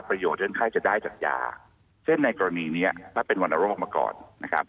ประโยชน์เลื่อนไข้จะได้จากยาเช่นในกรณีนี้ถ้าเป็นวันโรคมาก่อน